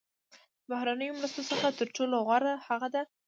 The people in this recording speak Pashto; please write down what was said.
د بهرنیو مرستو څخه تر ټولو غوره هغه دي.